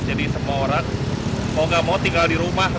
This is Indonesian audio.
jadi semua orang mau nggak mau tinggal di rumah